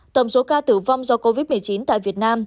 tổng số ca tử vong do covid một mươi chín tại việt nam